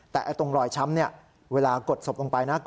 แต่ตรงรอยช้ำเวลากดศพลงไปนะ